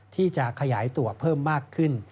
ที่จะขยายตัวเพิ่มมากขึ้น